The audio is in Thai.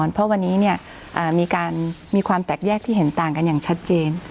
เพราะวันนี้มีการมีความแตกแยกที่เห็นต่างกันอย่างชัดเจน